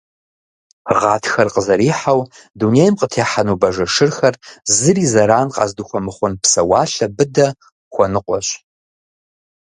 Гъатхэр къызэрихьэу дунейм къытехьэну бажэ шырхэр, зыри зэран къаздыхуэмыхъун псэуалъэ быдэ хуэныкъуэщ.